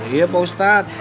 iya pak ustadz